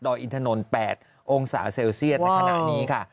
ดรอยอินทนน๘องศาเซในขณะนี้ค่ะ